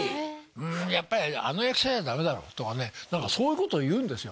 やっぱりあの役者じゃダメだろとかね何かそういうことを言うんですよ